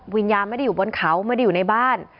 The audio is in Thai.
วิญญาณไม่ได้อยู่บนเขาไม่ได้อยู่ในบ้าน